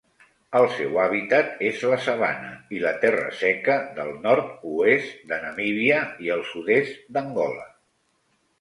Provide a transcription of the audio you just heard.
El seu hàbitat és la sabana i la terra seca del nord-oest de Namíbia i el sud-est d'Angola.